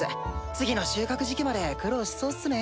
次の収穫時期まで苦労しそうっすね。